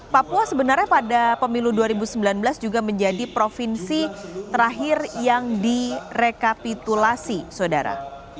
papua sebenarnya pada pemilu dua ribu sembilan belas juga menjadi provinsi terakhir yang direkapitulasi saudara